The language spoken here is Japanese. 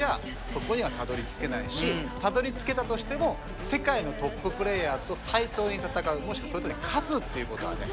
そこにはたどりつけないしたどりつけたとしても世界のトッププレーヤーと対等に戦うもしくはそいつらに勝つっていうことはね